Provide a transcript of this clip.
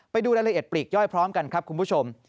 ไปดูรายละเอียดปลีกย่อยพร้อมกันครับคุณผู้ชม